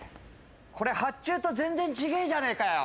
これ発注と全然違えじゃねえかよ。